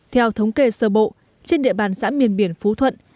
theo thống kê sơ bộ trên địa bàn xã miền biển phú thuận